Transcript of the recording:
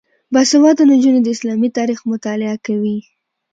باسواده نجونې د اسلامي تاریخ مطالعه کوي.